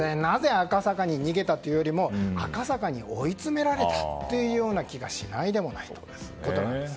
赤坂に逃げたかというよりも赤坂に追い詰められたというような気がしないでもないということです。